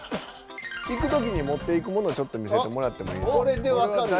行くときに持っていくものちょっと見せてもらってもいいですか？